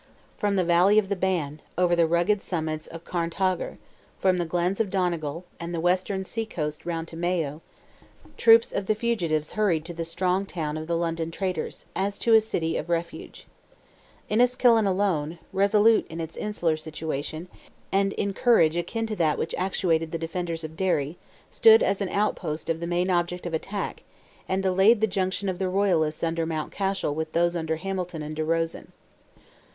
From the valley of the Bann, over the rugged summits of Carntogher, from the glens of Donegal, and the western sea coast round to Mayo, troops of the fugitives hurried to the strong town of the London traders, as to a city of refuge. Enniskillen alone, resolute in its insular situation, and in a courage akin to that which actuated the defenders of Derry, stood as an outpost of the main object of attack, and delayed the junction of the Royalists under Mountcashel with those under Hamilton and De Rosen.